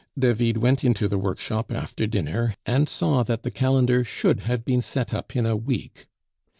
David went into the workshop after dinner, and saw that the calendar should have been set up in a week.